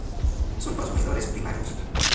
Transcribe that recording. Son consumidores primarios.